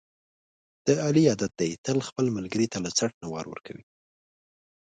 د علي عادت دی، تل خپل ملګري ته له څټ نه وار ورکوي.